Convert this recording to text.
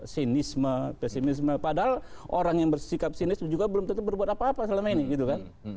sinisme pesimisme padahal orang yang bersikap sinis juga belum tetap berbuat apa apa selama ini gitu kan